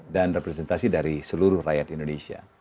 dan representasi dari seluruh rakyat indonesia